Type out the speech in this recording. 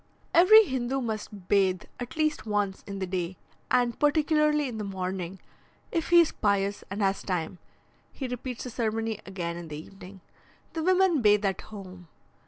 Every Hindoo must bathe at least once in the day, and particularly in the morning; if he is pious and has time, he repeats the ceremony again in the evening. The women bathe at home.